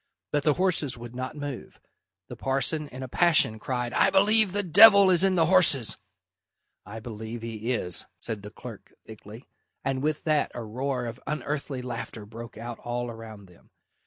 But the horses would not move. The parson, in a passion, cried, "I believe the devil is in the horses!" "I believe he is," said the clerk thickly, and with that a roar of unearthly laughter broke out all around them.